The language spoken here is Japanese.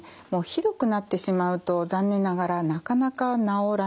ひどくなってしまうと残念ながらなかなか治らない。